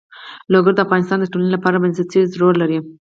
لوگر د افغانستان د ټولنې لپاره بنسټيز رول لري.